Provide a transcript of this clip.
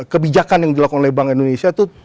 kebijakan yang dilakukan oleh bank indonesia itu